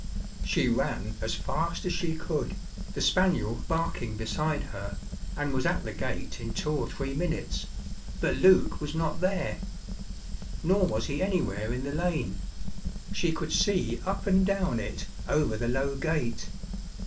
She ran as fast as she could, the spaniel barking beside her, and was at the gate in two or three minutes, but Luke was not there. Nor was he anywhere in the lane she could see up and down it over the low gate.